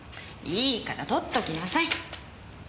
いいから取っときなさい。